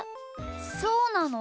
そうなの？